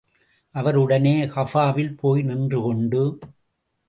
அவர் உடனே கஃபாவில் போய் நின்று கொண்டு.